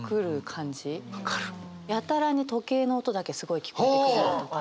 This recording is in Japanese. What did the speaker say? やたらに時計の音だけすごい聞こえてくるとか。